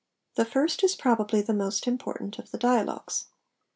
The first is probably the most important of the dialogues.